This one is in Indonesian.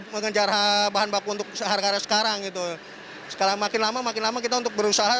mengejar bahan baku untuk seharga sekarang itu sekarang makin lama makin lama kita untuk berusaha